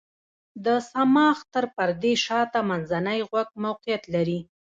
د صماخ تر پردې شاته منځنی غوږ موقعیت لري.